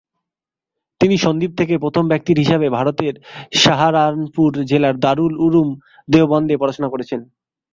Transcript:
তিনি সন্দ্বীপ থেকে প্রথম ব্যক্তি হিসাবে ভারতের সাহারানপুর জেলার দারুল উলুম দেওবন্দে পড়াশুনা করেছেন।